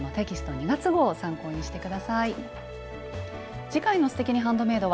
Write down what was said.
２月号を参考にして下さい。